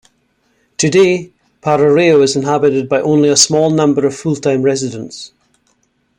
Today, Paroreio is inhabited by only a small number of full-time residents.